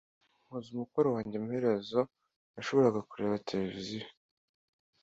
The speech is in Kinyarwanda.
Nkoze umukoro wanjye, amaherezo nashoboraga kureba televiziyo.